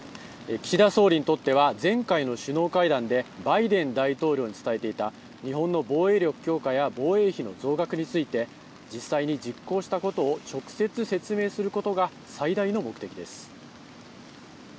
岸田総理にとっては前回の首脳会談でバイデン大統領に伝えていた日本の防衛力強化や防衛費の増額について実際に実行したことを直接説明することが最大の目的です。